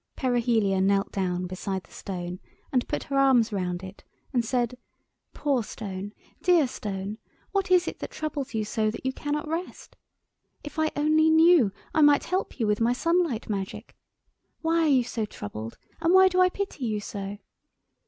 Perihelia knelt down beside the stone and put her arms round it, and said— "Poor stone, dear stone, what is it that troubles you so that you cannot rest? If I only knew, I might help you with my Sunlight Magic. Why are you so troubled, and why do I pity you so?